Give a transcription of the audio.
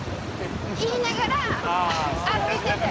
言いながら歩いてて。